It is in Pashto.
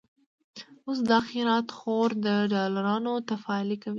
اوس دا خيرات خور، د ډالرونو تفالې کوي